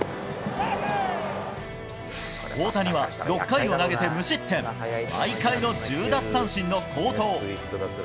大谷は６回を投げて無失点、毎回の１０奪三振の好投。